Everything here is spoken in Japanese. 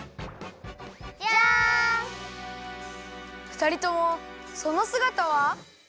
ふたりともそのすがたは？